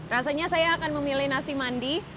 rasanya saya akan memilih nasi mandi